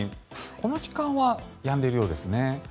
この時間はやんでいるようですね。